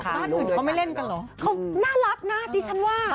บ้านอื่นเขาไม่เล่นกันเหรอเขาน่ารักนะดิฉันว่า